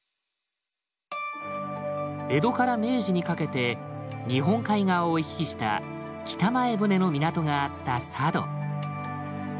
江戸から明治にかけて日本海側を行き来した北前船の港があった佐渡。